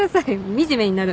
惨めになるんで